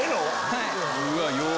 はい。